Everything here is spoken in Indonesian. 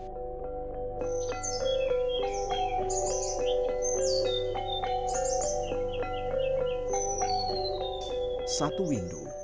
bukanlah waktu yang cukup bagi kita untuk mencari tamu